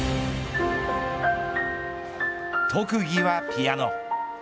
特技はピアノ。